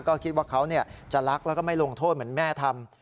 ก็คิดว่าเขาจะรักแล้วก็ไม่ลงโทษเหมือนแม่ทำ